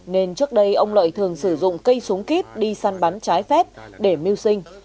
nên trước đây ông lợi thường sử dụng cây súng kíp đi săn bắn trái phép để mưu sinh